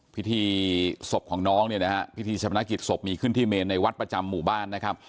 พิธีศพของน้องเนี่ยนะฮะพิธีชำนาญกิจศพมีขึ้นที่เมนในวัดประจำหมู่บ้านนะครับ